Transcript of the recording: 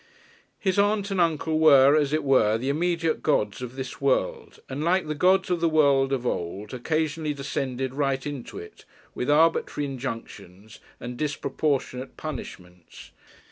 His aunt and uncle were, as it were, the immediate gods of this world; and, like the gods of the world of old, occasionally descended right into it, with arbitrary injunctions and disproportionate punishments.